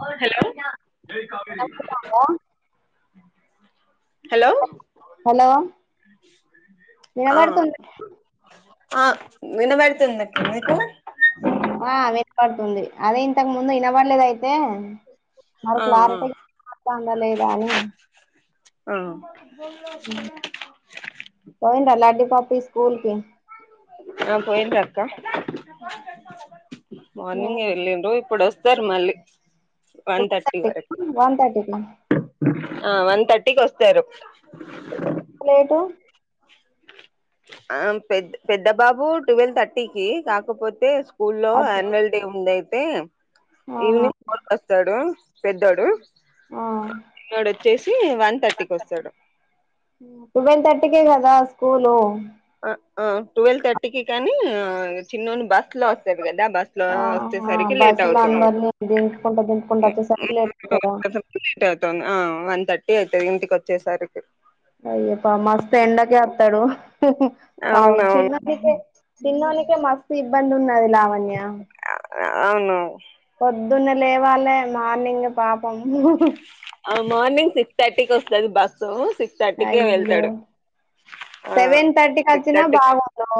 Hello [unintelligible] ఉందా hello hello ఆ వినపడుతుం ఆ వినబడుతుంది అక్క మీకు ఆ వినపడుతుంది అదే ఇంతకు ముందు వినబడలేదు అయి దే మరి ఆ క్లారిటీగ మాట్లాడిన్ర లేదా అని ఉమ్ పోయింద లడ్డి పాప్ ఆ పోయిందక్క మార్నింగే వెళ్ళిన్రు, ఇప్పుడోస్తరు మళ్ళీ వన్ థర్టీ వరకి, వన్ థర్టీకి ఆ వన్ థర్టీకొస్తరు ఎందుకంత లేటు? ఆ పెద్ పెద్ద బాబు టువేల్ థర్టీకి కాకపోతే స్క్ స్కూల్లో అచ్చ యాన్యువల్ డే ఉందయితే ఆహా ఈవినింగ్ ఫోర్కస్తడు పెద్దోడు, చిన్నోడచ్చేసి ఉమ్ టువెల్ థర్టీకే గదా స్కూలు అ ఆ టువెల్ థర్టీకి కానీ ఆ చిన్నోన్ని బస్ లో వస్తడు గదా బస్ లో ఆహా వచ్చేసరికి లేట్ బస్సులో అవుతుంద్ అందరినీ దింపుకుంటా దింపుకుంటా వచ్చేసరికి లేట్ అయితదా [unintelligible] ఆ వన్ థర్టీ అయితది ఇంటికొచ్చేసరికి అయ్యే పా మస్త్ ఎండకే అత్తడు అవును అవునవును చిన్నోనికే చిన్నోనికే మస్తు ఇబ్బంది ఉన్నది లావణ్య అవును పొద్దున్నే లేవాలే, మార్నింగే పాపము ఆ మార్నింగ్ సిక్స్ థర్టీకొస్తది బస్సు, సిక్స్ థర్టీకే అయ్యో వెళ్తడు. ఆ సెవెన్ థర్టీకి సిక్స్ వచ్చినా థర్టీ బాగుండు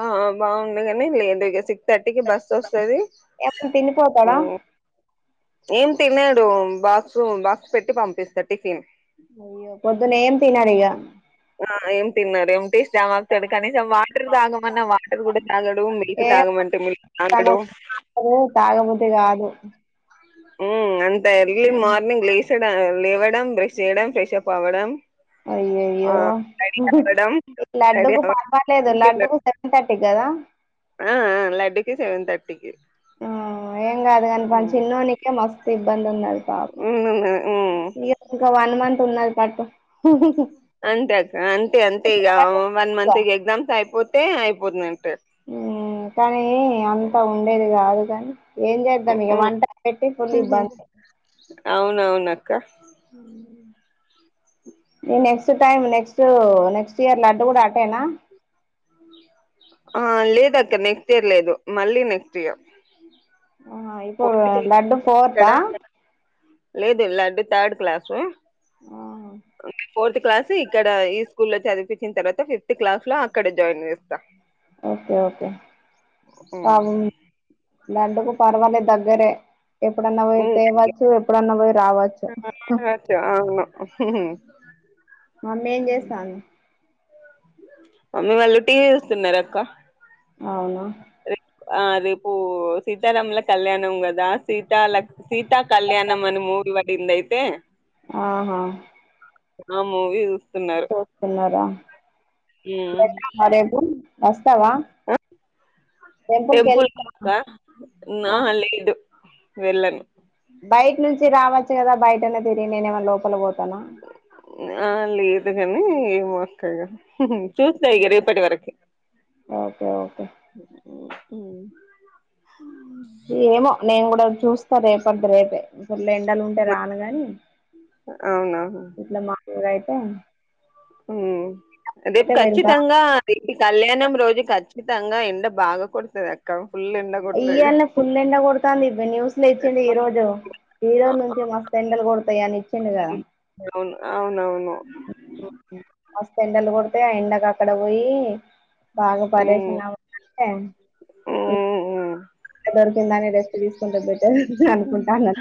ఆ ఆ బావున్ న గనీ లేదు ఇగ సిక్ థర్టీకే బస్ వస్తది, ఏమన్నా తినిపోతాడా ఉమ్ ఏం తినడు బాక్సు బాక్స్ పెట్టి పంపిస్త టిఫిన్ అయ్యో పోద్దునేమ్ తినడిగ ఆ ఏం తినడు ఎంప్టీ స్టమక్ తోటి కనీసం వాటర్ తాగమన్నా వాటర్ గూడ తాగడు మిల్క్ ఏ తాగమంటే మిల్క్ తాగడు తాగబుద్ది గాద్ ఉమ్ అంత ఎర్లీ మార్నింగ్ లేసడం లేవడం బ్రష్ చేయడం ఫ్రెషప్ అవ్వడం ఆ అయ్యయ్యో రెడీ అవ్వడం రెడీ లడ్డుకు అవ్వడం పర్వాలేదు, లడ్డుకు సెవెన్ థర్టీక్ గదా ఆ ఆ లడ్డుకి సెవెన్ థర్టీకి ఉమ్ ఏం గాదు గని పం మ్మ్ చిన్నోనికే మస్ ఇబ్బందున్నది పాపం ఇగ ఇంకా వన్ మంత్ ఉన్నది పట్టు అంతే అక్క అంతే అంతే ఇగా వన్ మంత్ ఇగ ఎగ్జామ్స్ అయిపోతే అయిపోతది ఉమ్ కనీ అంత ఉండేది కాదు గని ఏం చేద్దామీగ వంట [unintelligible] పెట్టి ఫుల్ ఇబ్బంది అవునవునక్క. ఇగ next time next to next year Laddu గుడా అటేనా? ఆ లేదక్క నెక్స్ట్ ఇయర్ లేదు, మళ్ళీ నెక్స్ట్ ఇయర్. అహా ఇప్పుడ్ ఫోర్త్ లడ్డు ఇక్కడ ఫోర్తా? లేదు Laddu third class fourth class ఇక్కడ ఈ స్కూల్ లో చదిపిచిన్తర్వాత ఫిఫ్త్ క్లాస్ లో అక్కడ జాయిన్ జేస్తా. ఓకే ఓకే అవు మీ లడ్డుకు పర్వాలే దగ్గరే ఎప్పుడన్నా పోయి తేవచ్చు, ఎప్పుడన్నా పోయి రావచ్చు. అచ్చ అవును మమ్మేం జేస్తాంది? మమ్మీ వాళ్ళు టీ వీ జూస్తున్నరక్క అవున ఉమ్ ఆ రేపూ సీతారాముల కళ్యాణం గా, సీత లక్ సీతా కళ్యాణ కనమని మూర్ల కిందైతే ఆహా ఆహ్ మూవీ యూస్ ఇసోస్తున్నారా ఉమ్. బెండమా రేపు వస్తావా టెంపుల్ కి వెళ్దామా నా ఆ, లేదు వెళ్ళను చీ రావచ్చు గదా బయటనే తిరి నేనేవన్ లోపల బోత్ ఆ లేదు గాని ఏమో అక్క ఇగా చూస్తే ఇగా ఉమ్. రేపటి వరకి ఓకే ఓకే ఉహూహ్ నేన్ గూడా చూస్తా రేపడ్ది రేపే ఇలా ఎంండలు ఉంటే రాను గాని, అవునా ఇట్లా మావూల్గా అయితే ఉహుహ్ రేపు అయితే వెళ్తా ఖచ్చితంగా ఏటి కళ్యామున్ రోజు ఖచ్చితంగా ఎండ బాగా కొడుడతది అక్క, ఫుల్ ఎండ కొడుతది. ఈ న్యూస్ లో ఇచ్చిండు. ఈ రోజు ఈరోజు నుంచి మస్తు ఎండలు కొడతాయ్ అని ఇచ్చిండుగా అవున్ అవునవును మస్త్ ఎండలు కొడతాయ్ ఆ ఎండకు అక్కడ వోయి. బాగా ఉమ్ పరేషాన్ అవకంటే ఎప్ ఉమ్ ఉమ్ దొరికిందానే రెస్ట్ దిసుకుంటే బెటర్ అనుకుంటాన్నా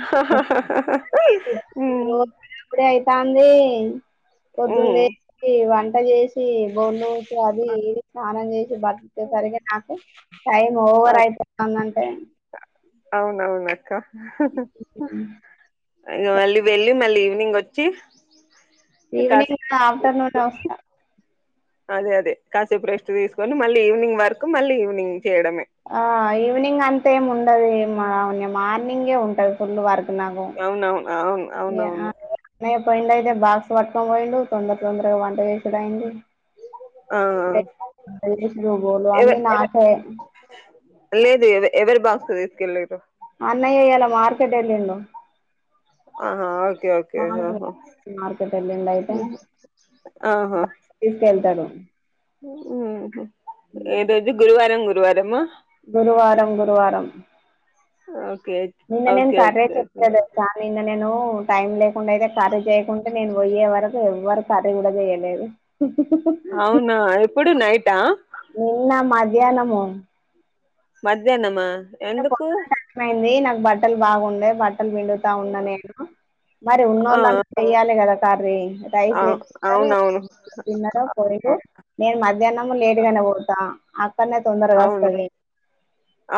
ఉమ్ రోజ్ కుడాయితాంది పొద్దున్న ఉమ్. లేసి వంట జేచి బోళ్ళు వొంతే అది ఇది స్నానం జేచి బట్టు సరిగా నాకు టైం ఓవర్ అయితందంటే అవునవున్ అక్క ఇగా మళ్ళీ వెళ్ళి మళ్ళీ ఈవినింగ్ వచ్ చి ఈవెనింగ్ గా ఆఫ్టర్నూన్ వస్తా అదే అదే కాసేపురెస్ట్ తీసుకొని, మళ్ళీ ఈవినింగ్ వరకు మళ్ళీ ఈవినింగ్. చేయడమే ఆ ఈవినింగ్ అంతే ఏం ఉండది. మావన్నాయా మా మార్నింగే ఉంటది ఫుల్ వర్క్ నాకు అవునవున్ అవున్ అవునవును. ఏ పోయిండైతే బాక్స్ బట్టుకొని బోయిడు. తొందర తొందరగా వంట జేచుడు అయింది. ఆ ఎట్ ఇగ్గేషి బోళ్ళు ఎవ అన్ని నాకే లేదు ఏవ్ ఎవరీ బాక్స్ దిసుకెళ్ళేదు. అన్నయ ఇలా మార్కెట్ ఏళ్ళిండు. ఆహా ఓకే ఓకే ఆహా మార్కెట్ ఎళ్ళిండు అయితే ఉహ్ ఆహా సగం ఉహు ఏదోజు గురువారం గురువారమా. గురువారం గురువారం. ఓకే నిన్న name okay okay curd rice okay జేప్తుండు కామినాన్ నేను టైం లేకుండా అయితే కర్రీ చేయకుంటే, నేన్ వోయే వరకు ఎవ్వరు కర్రీ గూడా జేయలేదు. అవునా ఎప్పుడు నైటా. ధ్యానము మధ్యానమా నేను పొక్కనల్ అర్ధమైంది. నాకు బట్టలు బాగుండయ్ బట్ ఆల్ విండుతా ఉన్నా నేను మరి ఆ ఉన్నోళ్ళన్నా చేయాలే గదా కర్రీ. రైస్ ఆ పెట్టుకుటరు అవునవును తినరో పెరుగు. నేను మధ్యానము లేటుగానే పోతా. కన్నా తొందరగా అవును వస్తది.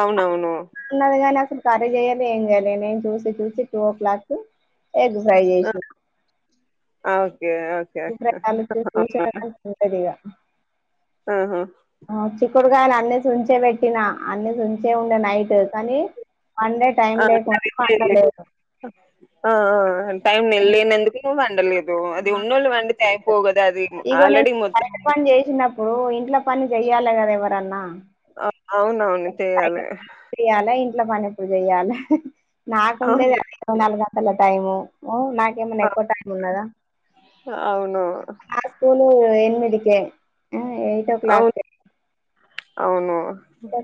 అవునవును ఉన్నది గానీ అసలు కర్రీ జేయలే ఏం జేయలే, నేను చూసి చూసి two o'clock. Egg fry జేచనా ఆ, ఓకే ఓకే ఇబ్రగాలు చెట్లు చెట్టకులు తింటాందిగా ఆహా ఆ చిక్కుడుగాయల్ అన్ని సుంచే పెట్టినా అన్ని జున్. డే ఉండే నైటు కానీ వన్ డే టైం ఆ లేకుండా సరే వండలేదు. ఆ టైం ని లేన ఎందుకు నువ్ కదా అది ఇగో నేను ఆల్రెడీ మొత్తం కరెంట్ తపని చేసినప్పుడు ఇంట్లో పని చెయ్యాలి కదా ఎవరన్నా అవునవును చెయాలి ఇట్లా పని ఎప్పుడు చెయాలి నాకుండేది అవును ఇరవై నాలుగు గంటల టైము నాకేమన్నా ఆ! ఎక్కువ టైమ్ ఉన్నదా అవును ఎనిమిదికి ఎయిట్ ఓ అవును క్లాక్ అవును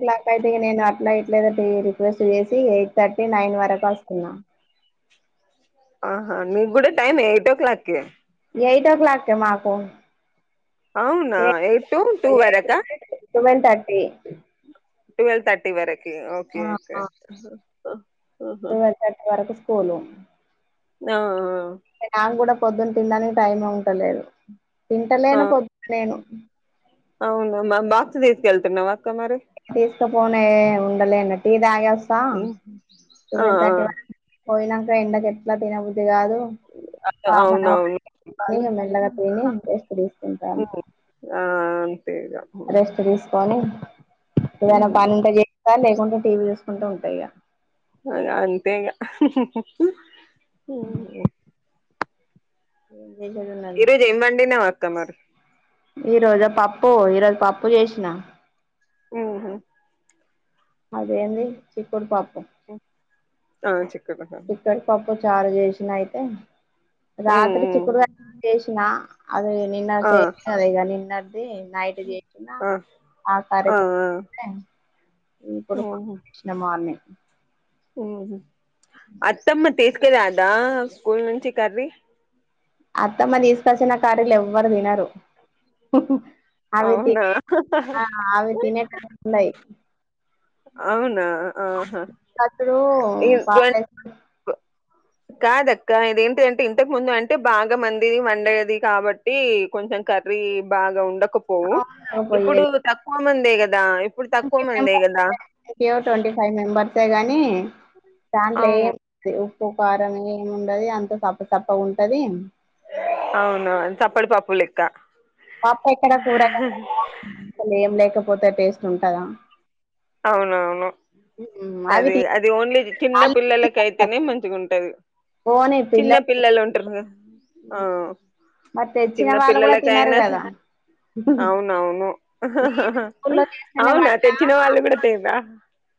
ట్లాక్ యీత్ టే నేను అట్లా ఇట్లే ఏదో రిక్వెస్ట్ చేసి ఎయిట్ థర్టీ నైన్ వరకు వస్తున్నాను ఆహా నీకు కూడా time eight o'clock eight o'clock మాకు అవునా ఎయిట్ టూ ఎయిట్ వరకా ట్వెల్వ్ థర్టీ ట్వల్వ్ థర్టీ వరకి ఓకే ఓకే ఒ ఓహో పోలో ఆ పొద్దున తినడానికి టైం ఉంటలేదు ఆ! తింటలేను పొద్దు నేను అవునా మ్ బాక్స్ తీసుకెళ్తు నవ్ అక్కా మరి తీసుకపోనే ఉండలేను టీ తాగా సా హ్మ్. ఆ టూవల్ ఆ థర్టీ పోయినాక ఎండక ఎట్లా తినబుద్ధి కాదు పాపను అవునవును. అది మెల్లగా హ్మ్. తిని రెస్ట్ తీసుకుం ఆ ఆంతే ఇగా రెస్ట్ తీసుకొని ఏదైనా హ్మ్. పని ఉంటే చేస్తా లేకుంటే టీవీ చుసుకో కుంటాల ఇగా ఇగా అంతే ఇగా అవు ఇ రోజు ఏం వండి నావ్ అక్కా మరి ఈ రోజు పప్పు ఈరోజు పప్పు చేసిన హుమ్మ్ అదేంది చిక్కుడు పప్పు హ్మ్. ఆ చి చిక్కడి పప్పు చారు చేసిన అయితే హ్మ్. రాత్రి హ్మ్. చిక్కుడుసి క్నా అది నిన్నా ఆ! అది నిన్నది నైట్ చేసిన ఆ! ఆ కార్యక్రమం ఇప్పుడు నిన్న మార్నింగ్ ఉమ్మ్ అత్తమ్మ తీసుకరాదా స్కూల్ నుంచి కర్రీ అత్తమ్మ తీసుకోస్లిన కడలు ఎవ్వరు తినరు ఆవి అవునా? తినే ఆ తినే టన్నాయి అవునా ఆహా! కత్రులు ఈ బార్ల్ ట్వంటీ కాదక్క ఇదేంటి అంటే ఇంతకు ముందు అంటే బాగా మందిది వండేది కాబట్టి కొంచెం కర్రీ బాగా ఉండకపోవు ఇప్పుడు తక్కువ మందే కదా ఇప్పుడు తక్కువ మందే కదా ఏమో ట్వంటీ ఫైవ్ మెంబర్ తే కాని దాంట్లో అవును ఏం ఉప్ ఉప్పు కారం ఏమి ఉండది అంత సప్ప సప్ప ఉంటది అవునా చప్పడి పప్పు లెక్క పాప ఎక్కడ కూరగా కదా అసలు ఏం లేకపోతే టేస్ట్ ఉంటదా అవునవును మ్మ్ అవి అదే తీ అది ఓన్లీ చిన్న వాళ్ళు పిల్లలకి తినరు కదా అయితేనే మంచిగా ఉంటది పోనీ చిన్న పిల్లల్ని పిల్లలు ఉంటారు ఆ తెచ్చిన చిన్న వాళ్ళు కూడా తినరు పిల్లలకైనా కదా అవునవును నేను స్కూల్లో చేసిన అవునా వంట తెచ్చిన వాళ్ళ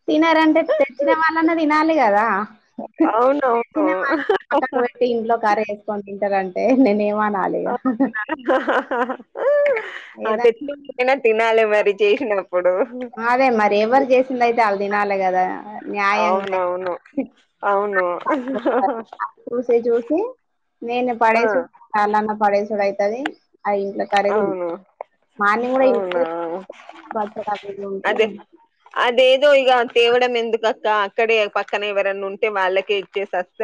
తినారంటే తెచ్చిన వాళ్ళన్నా తినాలి కదా తిన వాళ్ళ పక్కన అవునవును పెట్టి ఇంట్లో కర్రీ వేసుకొని తింటారంటే నేనే ఏమ ఏదన్నా [inaudible] తినాలి మరి చేసినప్పుడు అదే మరి ఎవరు చేసింద అయితే వాళ్ళ తినాలి కదా న్యాయంగా అవునవును అవును చూసి చూసి నేను ఆ పడేసడు చాలాన్నా పడేసడు అవుతది ఆ ఇంట్లో కర్రీ అవును మార్నింగ్ కూడా ఇంట్లో అవునా ఇవి అదే ఉంటే అదేదో ఈ తేవడం ఎందుకు అక్క అక్కడే పక్కన ఎవరనా ఉంటే వాళ్ళకే ఇచ్చేసిస్త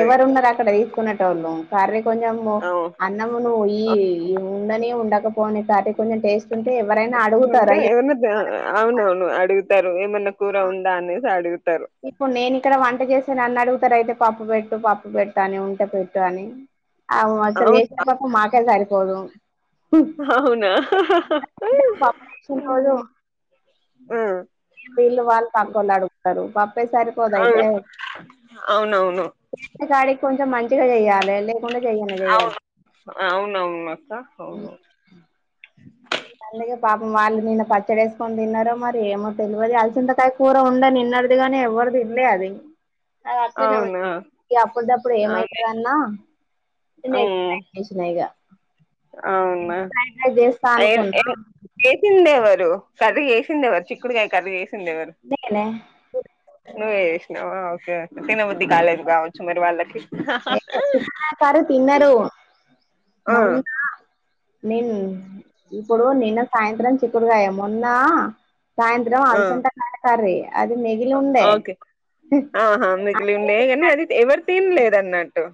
ఎవరు ఉన్నారు అక్కడ తీసుకునేటోలు కరీ కొంచెం అవు అన్నము నువ ఈ ఉండని ఉండకపోని కర్రీ కొంచెం టేస్ట్ ఉంటే ఎవరైనా అడుగుతారా ఉంటే అయ్య ఏమన్నా అవునవును అడిగు అడుగుతారు ఇప్పుడు నేను ఇక్కడ వంట చేసాను అన్నాడు అయితే పప్పు పెట్టు పప్పు పెట్ట అని ఉంటే పెట్టు అని అవు అక్కడ చేసిన అవునా పప్పు మాకే సారిపోదు అవునా పప్పు చేసిన రోజు ఆ వీళ్ళు వాళ్ళు పక్కలు అడుగుతారు పాప చెప్పే సరిపోదయితే అవును అవునవును చేసిన కాడికి కొంచెం మంచిగా చెయాలి అవును అవునవును అక్క అవును అందుకే పాపం వాళ్ళు నిన్న పచ్చడేసుకొని తిన్నార మరి ఏమో తిలేవదు అలసందుకయ కూర ఉండ నిన్నడుదిగానే ఎవ్వరి తిన్లీ అది అది అట్లే అవునా అప్పుడిదప్పుడు అవును ఏమవుతుంద అన్న ఎగ్ ఉమ్ రైస్ చేసిన ఇగ ఎగ్ అవునా [inaudible] ఫ్రైడ్ రైస్ చేస్తా అనుకున్నా చ్చంది ఎవరు కర్రీ చేసింది ఎవరు చిక్కుడుకాయ కర్రీ చేసింది ఎవరు నేనే నువ్వే చేసినవా ఒకే తినబుద్ధి కాలేదు కావచ్చు మరి వాళ్ళకి చిక్కుడుకాయ కర్రీ తిన్నారు ఆ మొన్న నేను ఇప్పుడు నిన్న సాయంత్రం చిక్కుడుకాయ మొన్న సాయంత్రం ఆ అలసందకాయ కర్రీ అది మెగలి ఉండే ఓకే ఆహా మిగిలి అంటే ఉండే కానీ అది ఎవరు తినలేద అన్నట్టు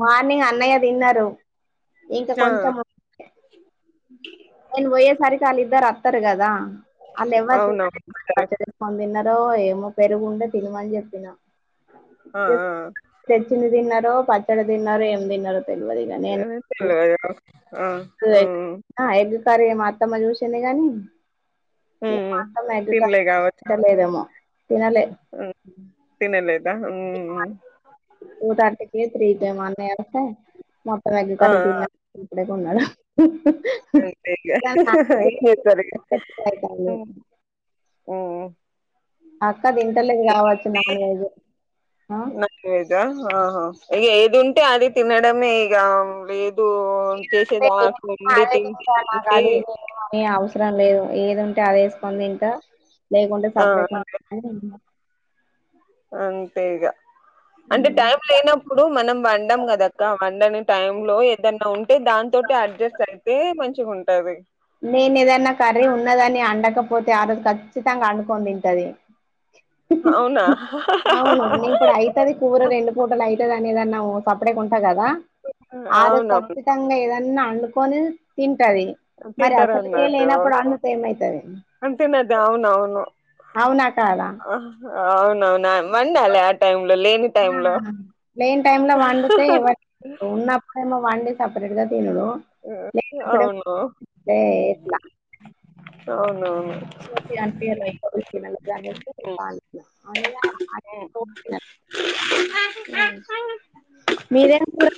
మార్నింగ్ అన్నయ్య తిన్నారు ఇంకా ఆ కొంచెం నేను పోయేసరికి వాళ్ళిద్దరు వస్తారు కదా వాళ్ళు ఎవరు తిన్నలే అవునవును సరే పచ్చడి ఇస్కానీ ఏమో పెరుగుంటే తినమని చెప్పినాం ఆ ఆ తెచ్చింది తిన్నరూ [inaudible] పచ్చడి తినారో ఏం తిన్నారో తెల్వదు ఇగ తెల్వదు ఆ ఉమ్ [inaudible] కర్రీ మా అత్త చూసింది కానీ తన్లేగావచ్చ తింటలేదేమో తినలే తినలేద ఉమ్ ఉమ్ టూ థర్టీ కీ త్రీ క మీ అన్నయ్య వస్తే [inaudible] ఎగ్ ఆ కర్రీ ఆ తినడు అంతే ఇగ ఏం చేస్తారు ఇగ [inaudible] ఉమ్ అక్క తింటలేదు కావచ్చు నాన్ వెజ్ ఆ నాలుగైదా ఆహా ఇ ఏదు ఉంటే అది తినడమే ఇగ వే [unintelligible] తింటే తింటా మా అంటే గాడి ఇంకేం అవసరం లేదు ఏది ఉంటే అది వేసుకోని తింటా లేకుంటే ఆ సప్పుడేక్ అంతే అని అంతే ఇగ అంటే టైం లేనప్పుడు మనం వండం కదక్క వండని టైమ్ లో ఏదన్నా ఉంటే దాని తోటి అడ్జస్ట్ అయితే మంచిగా ఉంటది నేను ఏదైనా కర్రీ ఉన్నదని అండకపోతే ఆ రోజు ఖచ్చితంగా వండుకొని ఉంటది అవునా అవును ఇప్పుడు అయితది కూర రెండు పూటలు అయిత్ ని ఏదన్నా సప్పడేకుంటా కదా ఆ రోజు అవునవును కచ్చితంగా ఏదన్నా అండ్ కొనీ తింటాది మరి తింటారు అసలుకే అన్నట్టు లేనప్పుడు అండుతే ఏమైతాది అంతేనది అవునవును అవునా కాదా అవునవును వండాలి ఆ టై లో లేని టై లో లేన్ టైమ్ లో వండితే ఎవరి ఉన్నప్పుడేమో వండి సపిరేటుగా తినుడు లేన్నపుడేమో అవును దెయిట్లా అవునవును [inaudible] మీదేం కూరా